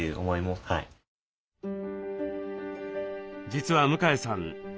実は向江さん